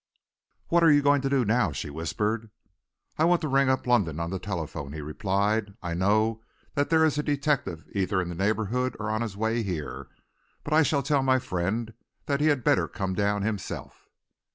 "What are you going to do now?" she whispered. "I want to ring up London on the telephone," he replied. "I know that there is a detective either in the neighbourhood or on his way here, but I shall tell my friend that he had better come down himself."